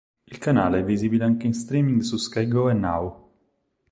Il canale è visibile anche in streaming su Sky Go e Now.